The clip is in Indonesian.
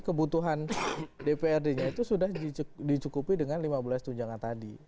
kebutuhan dprd nya itu sudah dicukupi dengan lima belas tunjangan tadi